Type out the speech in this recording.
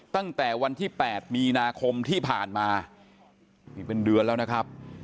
ตั้งแต่วันที่๘มีนาคมที่ผ่านมานี่เป็นเดือนแล้วนะครับ